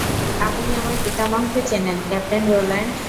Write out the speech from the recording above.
আপনি আমার পিতামহকে চেনেন, ক্যাপ্টেন রোল্যান্ড।